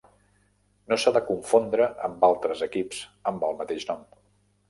No s'ha de confondre amb altres equips amb el mateix nom.